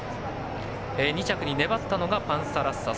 ２着に粘ったのがパンサラッサ。